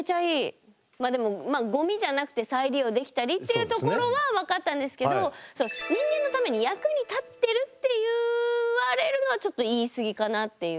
まあでもゴミじゃなくて再利用できたりっていうところは分かったんですけど人間のために役に立ってるって言われるのはちょっと言い過ぎかなっていう。